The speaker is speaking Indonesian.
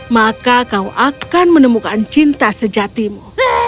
maka kau akan menemukan cinta sejatimu